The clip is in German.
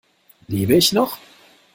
Lebe ich noch?